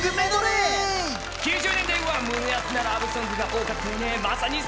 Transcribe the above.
９０年代は胸熱なラブソングが多かったよね。